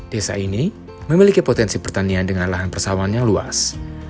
desa ini memiliki potensi pertanian dengan lahan persawan yang luas